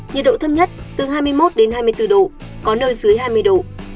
nhiệt độ thấp nhất từ hai mươi một đến hai mươi bốn độ có nơi dưới hai mươi độ